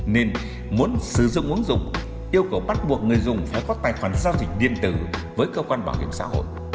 nên muốn sử dụng ứng dụng yêu cầu bắt buộc người dùng phải có tài khoản giao dịch điện tử với cơ quan bảo hiểm xã hội